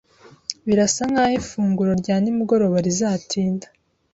Birasa nkaho ifunguro rya nimugoroba rizatinda.